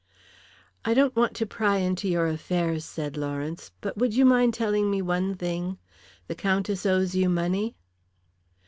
"I don't want to pry into your affairs," said Lawrence. "But would you mind telling me one thing? The Countess owes you money?"